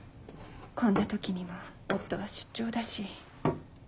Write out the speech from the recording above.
こんな時にも夫は出張だし。